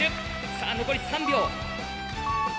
さあ残り３秒。